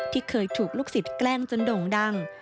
ที่เคยถูกลูกศิษย์แกล้งจนโด่งดัง